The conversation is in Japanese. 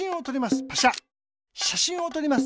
しゃしんをとります。